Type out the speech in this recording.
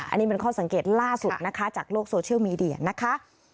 อันนี้เป็นข้อสังเกตล่าสุดนะคะจากโลกโซเชียลมีเดียนะคะ